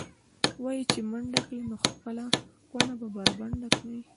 وایي چې منډه کړې، نو خپله کونه به بربنډه کړې.